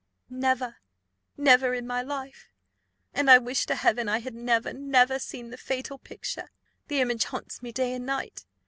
"Never never in my life; and I wish to Heaven I had never, never seen the fatal picture! the image haunts me day and night.